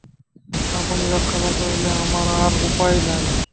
আপনি রক্ষা না করিলে আমার আর উপায় নাই!